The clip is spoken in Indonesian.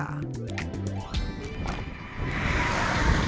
jalan tol transjawa